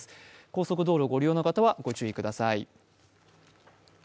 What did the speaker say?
高速道路、ご利用の方はご注意ください。